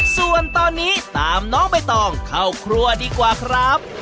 ส่วนตอนนี้ตามน้องใบตองเข้าครัวดีกว่าครับ